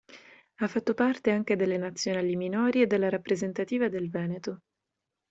Ha fatto parte anche delle Nazionali minori e della rappresentativa del Veneto.